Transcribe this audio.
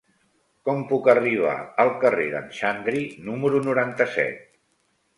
Com puc arribar al carrer d'en Xandri número noranta-set?